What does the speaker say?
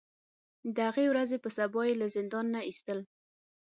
د هغې ورځې په سبا یې له زندان نه ایستل.